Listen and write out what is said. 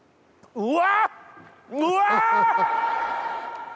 うわ。